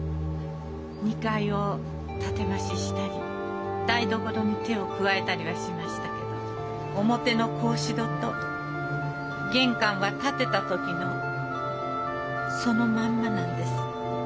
２階を建て増ししたり台所に手を加えたりはしましたけど表の格子戸と玄関は建てた時のそのまんまなんです。